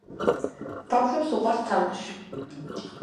ბავშვებს უყვართ თამაში